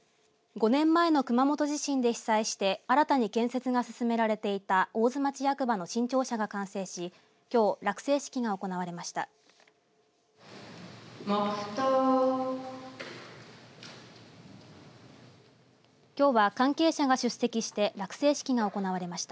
５年前の熊本地震で被災して新たに建設が進められていた大津町役場の新庁舎が完成しきょう、落成式が行われました。